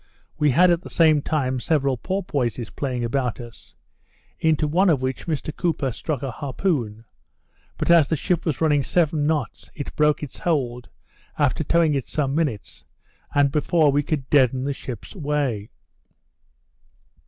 We had, at the same time, several porpoises playing about us; into one of which Mr Cooper struck a harpoon; but as the ship was running seven knots, it broke its hold, after towing it some minutes, and before we could deaden the ship's way.